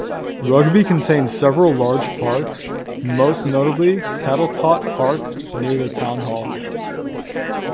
Rugby contains several large parks, most notably Caldecott Park near the town hall.